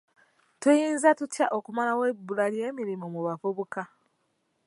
Tuyinza tutya okumalawo ebbula ly'emirimu mu bavubuka?